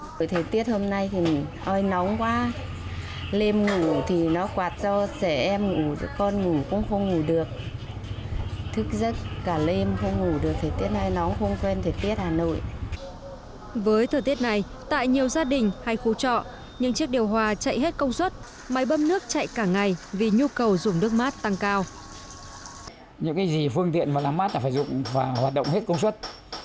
với thời tiết này tại nhiều gia đình hay khu trọ những chiếc điều hòa chạy hết công suất